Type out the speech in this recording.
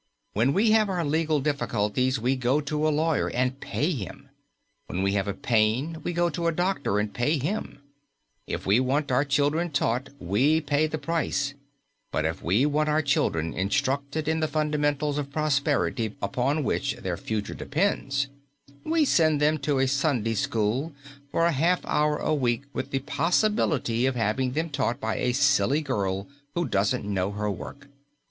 When we have our legal difficulties, we go to a lawyer and pay him; when we have a pain we go to a doctor and pay him; if we want our children taught we pay the price; but if we want our children instructed in the fundamentals of prosperity upon which their future depends, we send them to a Sunday School for a half hour a week with the possibility of having them taught by a silly girl who doesn't know her work.